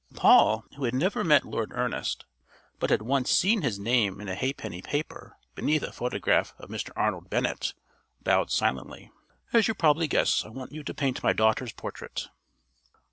Paul, who had never met Lord Ernest, but had once seen his name in a ha'penny paper beneath a photograph of Mr. Arnold Bennett, bowed silently. "As you probably guess, I want you to paint my daughter's portrait."